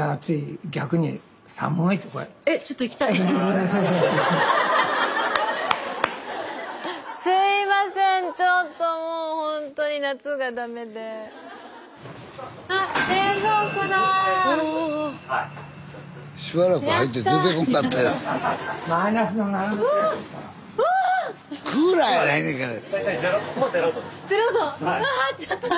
わあっちょっと待って。